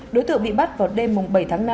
đối tượng bị bắt vào đêm bảy tháng năm